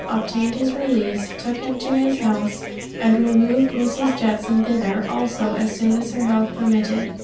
obtained his release, took him to his house, and removed Mrs. Judson thither also as soon as her health permitted.